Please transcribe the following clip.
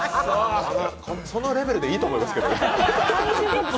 そのレベルでいいと思いますけど。